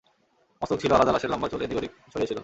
মস্তক ছিল আলাদা লাশের লম্বা চুল এদিক-ওদিক ছড়িয়ে ছিল।